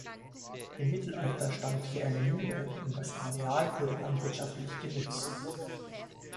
Im Mittelalter stand hier eine Mühle und das Areal wurde landwirtschaftlich genutzt.